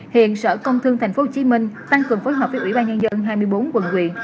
hiện sở công thương thành phố hồ chí minh tăng cường phối hợp với ủy ban nhân dân hai mươi bốn quận quyền